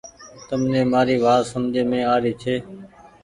تم ني مآري وآت سمجهي مين آ ري ڇي۔